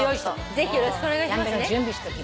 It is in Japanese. ぜひよろしくお願いしますね。